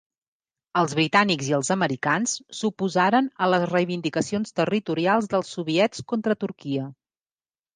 Els britànics i els americans s'oposaren a les reivindicacions territorials dels soviets contra Turquia.